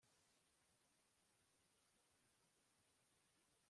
usige ituro ryawe imbere y’igicaniro